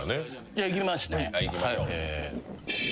じゃあいきますね。